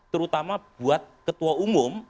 terutama buat ketua umum